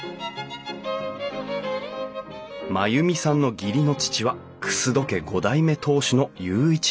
まゆみさんの義理の父は楠戸家五代目当主の攸一郎さん。